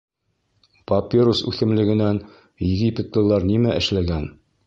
Папирус үҫемлегенән египетлылар нимә эшләгән?